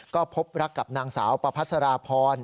ก็พบรักกับนางสาวประพัสราพร